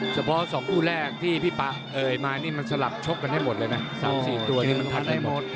เฉพาะ๒คู่แรกที่พี่ปะเอ่ยมานี่มันสลับชกกันให้หมดเลยนะ๓๔ตัวนี่มันทันได้หมด